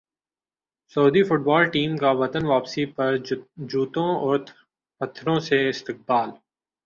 سعودی football team کا وطن واپسی پر جوتوں اور پتھروں سے استقبال